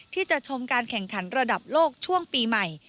ที่จะชมการแข่งขันระดับโลกช่วงปีใหม่